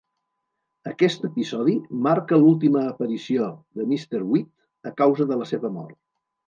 Aquest episodi marca l'última aparició de Mr. Weed a causa de la seva mort.